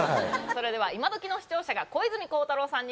それでは今どきの視聴者が小泉孝太郎さんに聞きたい